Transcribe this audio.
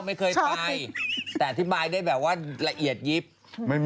มีคนเขาบอกว่าโดนปลดออกจากชิงร้อย